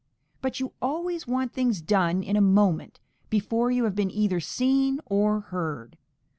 But you always want things done in a moment, before you have been either seen or heard.